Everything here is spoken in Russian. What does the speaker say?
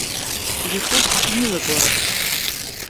Якутск — милый город